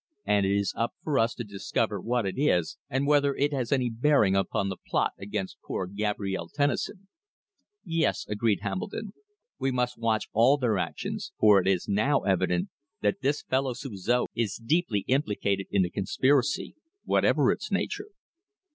"And it is up to us to discover what it is, and whether it has any bearing upon the plot against poor Gabrielle Tennison." "Yes," agreed Hambledon. "We must watch all their actions, for it is now evident that this fellow Suzor is deeply implicated in the conspiracy, whatever its nature."